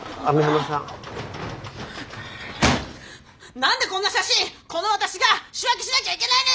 何でこんな写真この私が仕分けしなきゃいけないのよ！